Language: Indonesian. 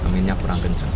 aminnya kurang kencang